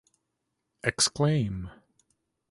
Exclaim!